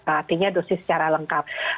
artinya dosis secara lengkap